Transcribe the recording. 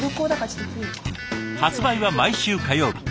発売は毎週火曜日。